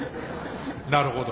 なるほど。